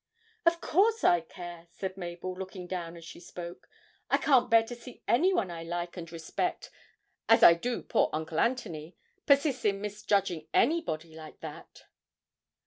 'Of course I care,' said Mabel, looking down as she spoke. 'I can't bear to see anyone I like and respect as I do poor Uncle Anthony persist in misjudging anybody like that.'